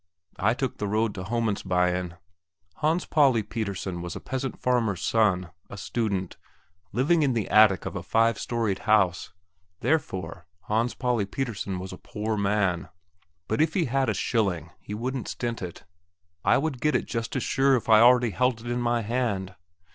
I took the road to Homandsbyen. Hans Pauli Pettersen was a peasant farmer's son, a student, living in the attic of a five storeyed house; therefore, Hans Pauli Pettersen was a poor man. But if he had a shilling he wouldn't stint it. I would get it just as sure as if I already held it in my hand.